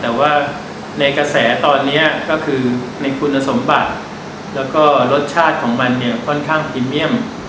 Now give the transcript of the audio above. แต่ว่าในกระแสตอนนี้ก็คือในคุณสมบัติแล้วก็รสชาติของมันเนี่ยค่อนข้างพรีเมียม